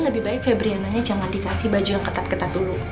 lebih baik febriananya jangan dikasih baju yang ketat ketat dulu